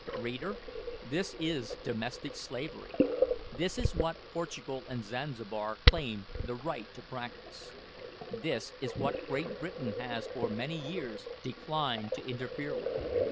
Reader, this is "domestic slavery." This is what Portugal and Zanzibar claim the right to practise. This is what Great Britain has for many years declined to interfere with.